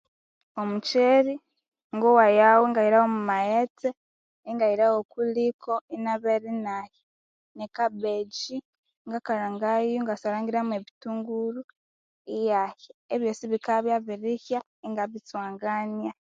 Omukyeri ngo wayagho, ingahirawo omwa maghetse, ingahirawo okwa liko Inabera inahya. Nekabegi ngakalhangayo inasarangira mwe bitunguru iyahya. Ebyosi bikabya ibyabirihya inabitswangania